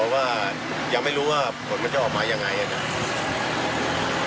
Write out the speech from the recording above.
รอว่ายังไม่รู้ว่าผลมันจะออกมาอย่างไรอ่ะนะ